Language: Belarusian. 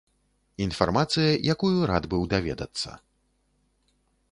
Інфармацыя, якую рад быў даведацца.